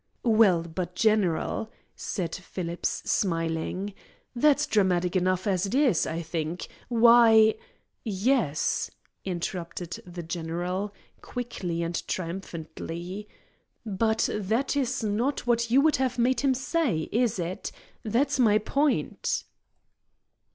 "Well, but, general," said Phillips, smiling, "that's dramatic enough as it is, I think. Why " "Yes," interrupted the general, quickly and triumphantly. "But that is not what you would have made him say, is it? That's my point."